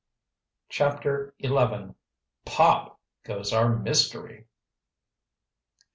CHAPTER XI "POP! GOES OUR MYSTERY!"